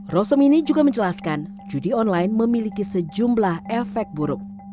rosem ini juga menjelaskan judi online memiliki sejumlah efek buruk